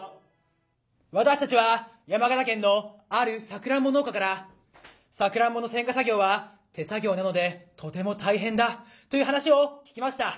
私たちは山形県のあるさくらんぼ農家から「さくらんぼの選果作業は手作業なのでとても大変だ」という話を聞きました。